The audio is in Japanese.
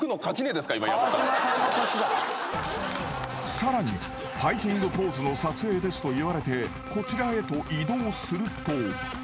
［さらにファイティングポーズの撮影ですと言われてこちらへと移動すると］